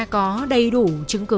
có đầy đủ chứng cứ